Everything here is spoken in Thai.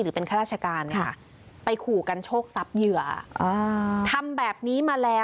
หรือเป็นข้าราชการค่ะไปขู่กันโชคทรัพย์เหยื่ออ่าทำแบบนี้มาแล้ว